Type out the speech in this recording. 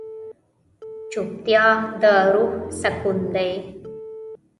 چوپتیا، د روح سکون دی.